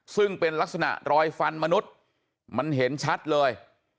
ซึ่งเป็นลักษณะรอยฟันมนุษย์มันเห็นชัดเลย